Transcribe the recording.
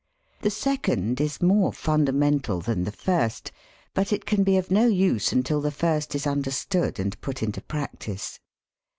The second is more fundamental than the first, but it can be of no use until the first is understood and put into practice.